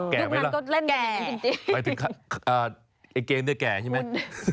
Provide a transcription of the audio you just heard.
แก่ไหมล่ะแก่จริงไปถึงไอ้เกงเนี่ยแก่ใช่ไหม